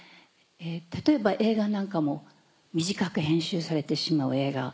例えば映画なんかも短く編集されてしまう映画。